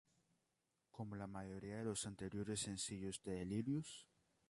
Como la mayoría de los anteriores sencillos de Delirious?